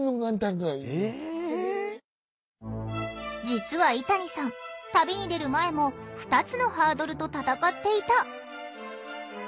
実は井谷さん旅に出る前も２つのハードルと戦っていた。